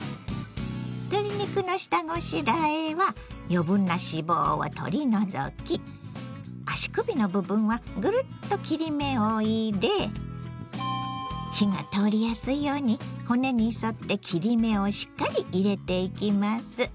鶏肉の下ごしらえは余分な脂肪を取り除き足首の部分はぐるっと切り目を入れ火が通りやすいように骨に沿って切り目をしっかり入れていきます。